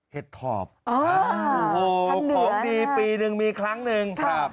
เห็ดถอบของดีปีหนึ่งมีครั้งหนึ่งครับ